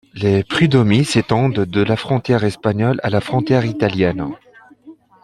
Les prud’homies s'étendent de la frontière espagnole à la frontière italienne.